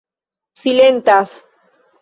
silentas